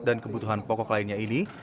dan kebutuhan pokok lainnya ini